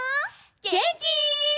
げんき？